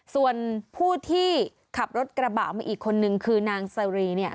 ส่วนผู้ที่ขับรถกระบะมาอีกคนนึงคือนางสรีเนี่ย